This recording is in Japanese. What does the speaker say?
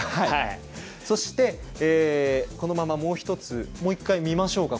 そして、このままもう１つ、見ましょうか。